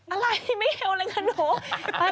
อะไรไม่แยวเลยนะหนู